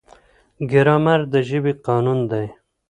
ګرامر د ژبې قانون دی.